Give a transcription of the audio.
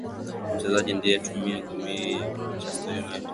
Mchezaji aliye tumia gharama zaidi kutoka Manchester United